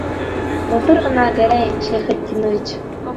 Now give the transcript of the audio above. Былтыр ғына, Гәрәй Шәйхетдинович.